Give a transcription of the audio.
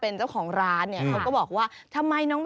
ติดตามทางราวของความน่ารักกันหน่อย